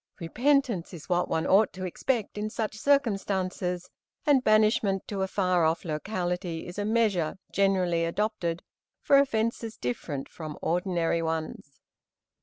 Repentance is what one ought to expect in such circumstances, and banishment to a far off locality is a measure generally adopted for offences different from ordinary ones.